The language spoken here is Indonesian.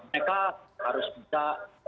mereka harus bisa